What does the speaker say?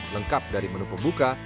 lengkap dari menu pembuka